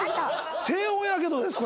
低温やけどです